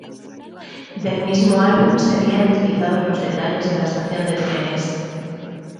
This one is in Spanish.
Del mismo álbum serían utilizados los detalles de la estación de trenes.